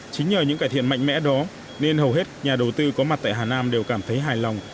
chính nhờ những cải thiện mạnh mẽ đó nên hầu hết nhà đầu tư có mặt tại hà nam đều cảm thấy hài lòng